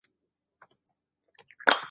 东北百合为百合科百合属下的一个种。